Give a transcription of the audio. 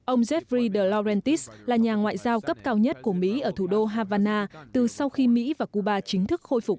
ông jeff faye derogatis là nhà ngoại giao cấp cao nhất của mỹ ở thủ đô havana từ sau khi mỹ và cuba chính thức khôi phục